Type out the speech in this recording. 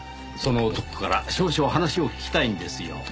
その男から少々話を聞きたいんですよ。